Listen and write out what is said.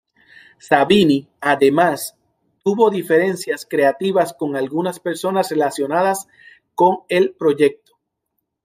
Savini además tuvo diferencias creativas con algunas personas relacionadas con el proyecto.